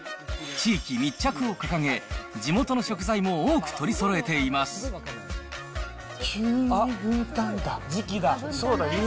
地域密着を掲げ、地元の食材も多く取りそろえています。時期だ。